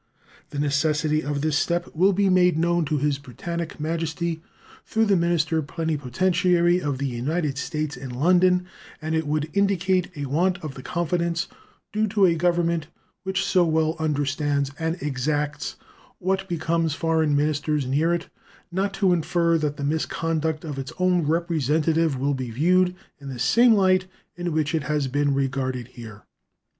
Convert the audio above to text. The necessity of this step will be made known to His Britannic Majesty through the minister plenipotentiary of the United States in London; and it would indicate a want of the confidence due to a Government which so well understands and exacts what becomes foreign ministers near it not to infer that the misconduct of its own representative will be viewed in the same light in which it has been regarded here.